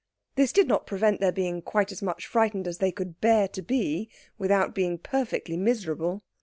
This did not prevent their being quite as much frightened as they could bear to be without being perfectly miserable.